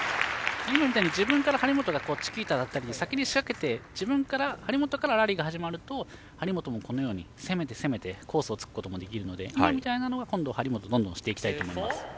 今みたいに自分から張本がチキータだったり先に仕掛けて、自分から張本からラリーが始まると張本もこのように攻めて攻めてコースを作ることができるので今みたいなのは今度、張本どんどんしていきたいと思います。